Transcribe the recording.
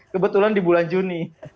kebetulan di bulan juni